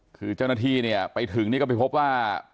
คือเจ้าหน้าที่เนี่ยไปถึงนี่ก็ไปพบว่า